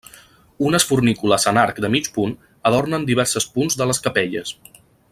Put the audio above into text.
Unes fornícules en arc de mig punt adornen diversos punts de les capelles.